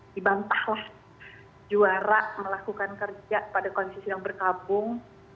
dibantahlah juara melakukan kerja pada kondisi yang berkabung